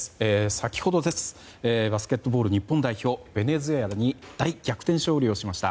先ほどバスケットボール日本代表ベネズエラに大逆転勝利をしました。